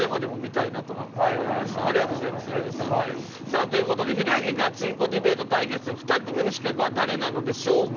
さあという事でひろゆきガチンコディベート対決２組目の刺客は誰なのでしょうか？